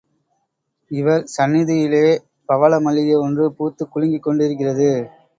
இவர் சந்நிதியிலே பவள மல்லிகை ஒன்று பூத்துக் குலுங்கிக் கொண்டிருக்கிறது.